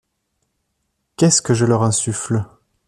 Qu'estce que je leur insuffle.